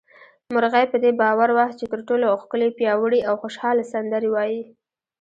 مرغۍ په دې باور وه چې تر ټولو ښکلې، پياوړې او خوشحاله سندرې وايي